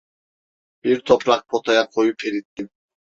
Bir toprak potaya koyup erittim.